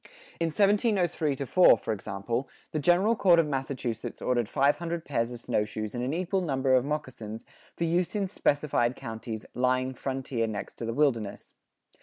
In 1703 4, for example, the General Court of Massachusetts ordered five hundred pairs of snowshoes and an equal number of moccasins for use in specified counties "lying Frontier next to the Wilderness."